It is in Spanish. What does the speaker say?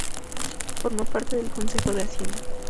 Formó parte del consejo de Hacienda.